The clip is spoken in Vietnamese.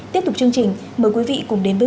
tiếp tục chương trình mời quý vị cùng đến với